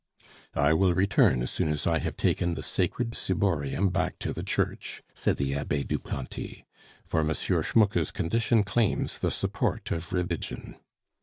"I will return as soon as I have taken the sacred ciborium back to the church," said the Abbe Duplanty, "for M. Schmucke's condition claims the support of religion."